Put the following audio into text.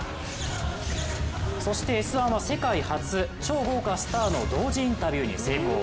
そして「Ｓ☆１」は世界初超豪華スターの同時インタビューに成功。